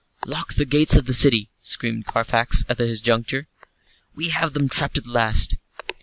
"Lock the gates of the city," screamed Carfax, at this juncture. "We have them trapped at last."